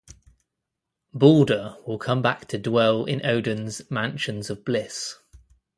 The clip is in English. Balder will come back to dwell in Odin's mansions of bliss.